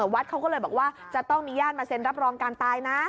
วัดเขาก็เลยบอกว่าจะต้องมีญาติมาเซ็นรับรองการตายนะ